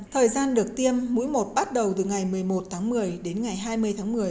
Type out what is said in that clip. thời gian được tiêm mũi một bắt đầu từ ngày một mươi một tháng một mươi đến ngày hai mươi tháng một mươi